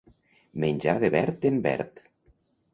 Menjar de verd en verd.